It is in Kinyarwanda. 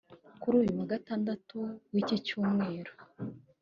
Kuri uyu wa gatandatu w’iki cyumweru